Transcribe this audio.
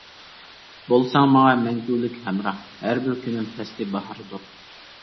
بولساڭ ماڭا مەڭگۈلۈك ھەمراھ، ھەر بىر كۈنۈم پەسلى باھاردۇر.